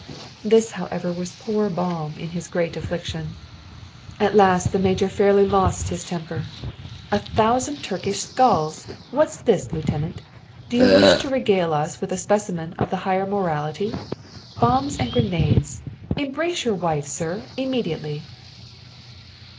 This, however, was poor balm to him in his great affliction. At last the major fairly lost his temper. "A thousand Turkish skulls! What's this, lieutenant? Do you wish to regale us with a specimen of the higher morality? Bombs and grenades! Embrace your wife, sir, immediately!"